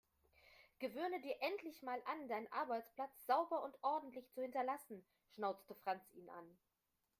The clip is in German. Gewöhne dir endlich mal an, deinen Arbeitsplatz sauber und ordentlich zu hinterlassen, schnauzte Franz ihn an.